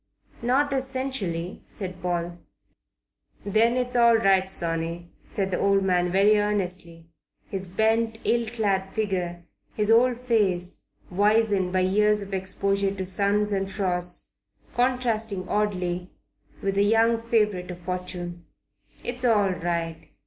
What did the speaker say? "Not essentially," said Paul. "Then it's all right, sonny," said the old man very earnestly, his bent, ill clad figure, his old face wizened by years of exposure to suns and frosts, contrasting oddly with the young favourite of fortune. "It's all right.